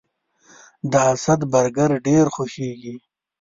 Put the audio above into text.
د اسد برګر ډیر خوښیږي